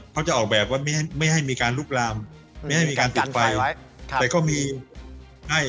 เขาจะออกแบบว่าไม่ให้มีการลุกลามไม่ให้มีการติดไฟ